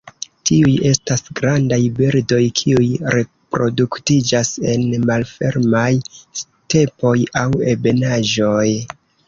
Tiuj estas grandaj birdoj kiuj reproduktiĝas en malfermaj stepoj aŭ ebenaĵoj.